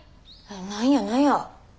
何や何や？